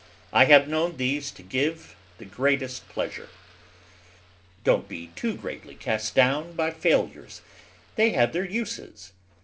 I have known these to give the greatest pleasure. Don't be too greatly cast down by failures; they have their uses.